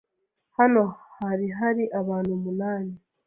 Hano harahari abantu umunani.